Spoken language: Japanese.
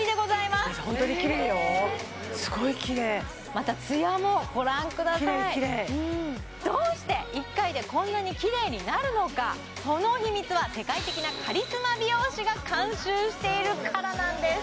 すごいキレイキレイキレイまたツヤもご覧くださいどうして一回でこんなにキレイになるのかその秘密は世界的なカリスマ美容師が監修しているからなんです